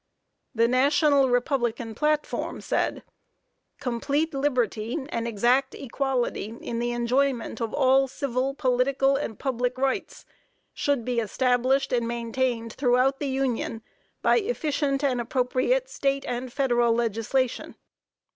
The national Republican platform said: "Complete liberty and exact equality in the enjoyment of all civil, political and public rights, should be established and maintained throughout the Union by efficient and appropriate State and federal legislation."